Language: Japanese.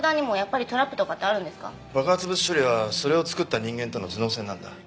爆発物処理はそれを作った人間との頭脳戦なんだ。